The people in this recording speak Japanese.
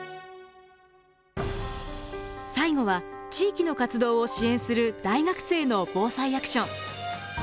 最後は地域の活動を支援する大学生のＢＯＳＡＩアクション。